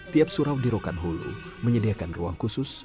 tiap surau di rokan hulu menyediakan ruang khusus